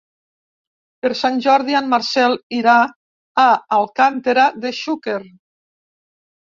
Per Sant Jordi en Marcel irà a Alcàntera de Xúquer.